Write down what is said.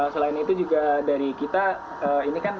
selain itu juga dari kita ini kan